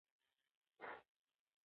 طبیعي زیرمه مه ختموه.